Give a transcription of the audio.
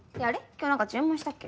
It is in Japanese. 今日何か注文したっけ？